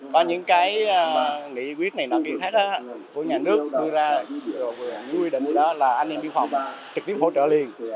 có những cái nghị quyết này kỳ thách của nhà nước vừa ra vừa nguyên định đó là an ninh biên phòng trực tiếp hỗ trợ liền